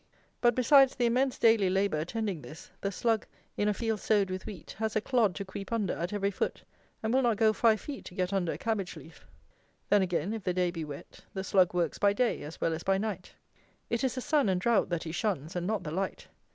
But besides the immense daily labour attending this, the slug, in a field sowed with wheat, has a clod to creep under at every foot, and will not go five feet to get under a cabbage leaf. Then again, if the day be wet, the slug works by day as well as by night. It is the sun and drought that he shuns, and not the light.